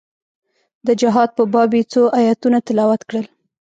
د جهاد په باب يې څو ايتونه تلاوت کړل.